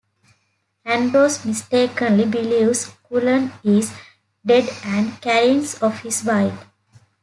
Andros mistakenly believes Cullen is dead and careens off his bike.